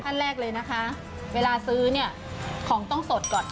ขั้นแรกเลยนะคะเวลาซื้อเนี่ยของต้องสดก่อน